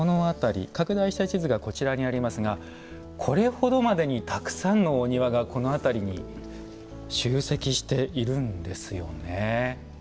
拡大した地図がこちらにありますがこれほどまでにたくさんのお庭がこの辺りに集積しているんですよね。